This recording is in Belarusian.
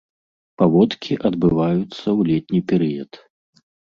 Паводкі адбываюцца ў летні перыяд.